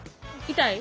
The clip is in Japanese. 痛い？